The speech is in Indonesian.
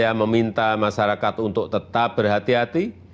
dan meminta masyarakat untuk tetap berhati hati